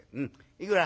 いくら？